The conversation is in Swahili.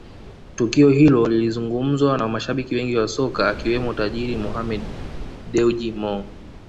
Tukio hilo lilizungumzwa na mashabiki wengi wa soka akiwemo tajiri Mohammed Dewji Mo